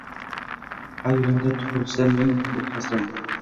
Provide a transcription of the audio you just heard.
Haq yulinda tusiqlasa ming bir harsang